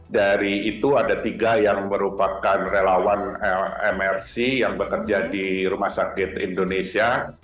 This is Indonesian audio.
dari itu ada tiga yang merupakan relawan mrc yang bekerja di rumah sakit indonesia